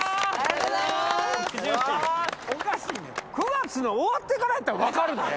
９月の終わってからやったら分かるで。